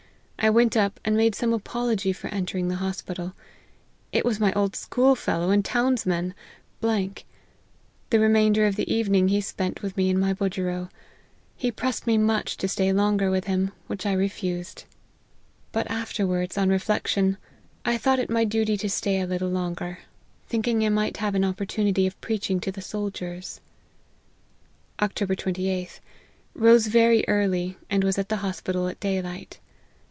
I went up, and made some apology for entering the hos pital. It was my old school fellow and townsman, . The remainder of the evening he spent with me in my budgerow. He pressed me much to stay longer with him, which I refused ; but af LIFE OF HENRY MARTYX. 81 ter wards, on reflection, I thought it my duty to stay a little longer ; thinking I might have an opportu nity of preaching to the soldiers." " Oct. 28th. Rose very early, and was at the hospital at day light.